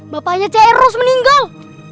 bapaknya si eros meninggal